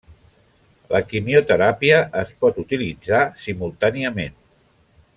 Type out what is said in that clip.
La quimioteràpia es pot utilitzar simultàniament.